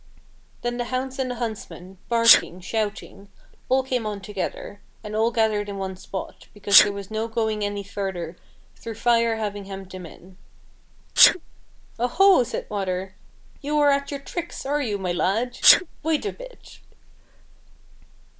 Then the hounds and the huntsmen, barking, shout ing, all came on together, and all gathered in one spot, because there was no going any further through Fire having hemmed them in, '' Oh ho !" said Water ;*' you are at your tricks, are }'ou. my lad .'' Wait a bit